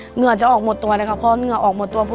เหงื่อจะออกหมดตัวนะคะเพราะเหงื่อออกหมดตัวพอ